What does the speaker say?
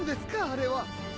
あれは。